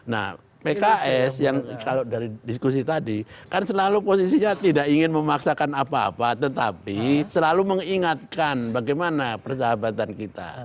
nah pks yang kalau dari diskusi tadi kan selalu posisinya tidak ingin memaksakan apa apa tetapi selalu mengingatkan bagaimana persahabatan kita